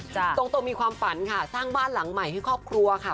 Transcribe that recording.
ตรงมีความฝันค่ะสร้างบ้านหลังใหม่ให้ครอบครัวค่ะ